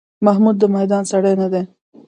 محمود د میدان سړی نه دی.